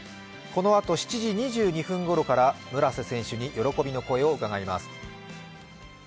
このあと７時２２分ごろから村瀬選手に喜びの声を伺います。